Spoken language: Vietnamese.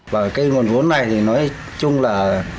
với nguồn vốn này nói chung là